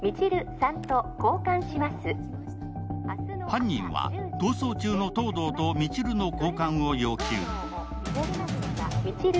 犯人は逃走中の東堂と未知留の交換を要求。